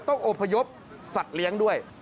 ต้องอบพยุบสัตว์เลี้ยงด้วย